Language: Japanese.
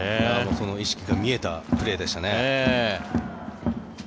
その意識が見えたプレーでしたね。